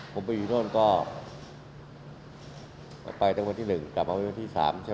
ผมไปอยู่โน่นไปเตรียมวันที่๑กลับมาวันที่๓